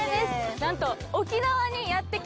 なんと。